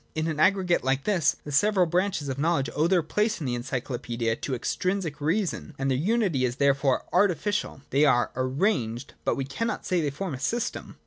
In an aggregate like this, the several branches of knowledge owe their place in the ency clopaedia to extrinsic reasons, and their unity is there fore artificial : they are arranged, but we cannot say they form a system.